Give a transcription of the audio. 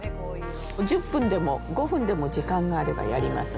１０分でも、５分でも時間があればやります。